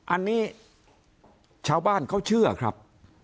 อันนี้ชาวบ้านเขาเชื่อครับ